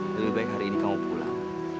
lebih baik hari ini kamu pulang